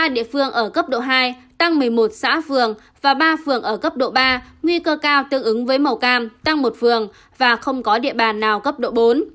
một mươi địa phương ở cấp độ hai tăng một mươi một xã phường và ba phường ở cấp độ ba nguy cơ cao tương ứng với màu cam tăng một phường và không có địa bàn nào cấp độ bốn